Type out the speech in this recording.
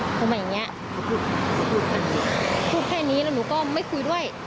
เออทำไมอย่างนี้พูดแค่นี้แล้วหนูก็ไม่คุยด้วย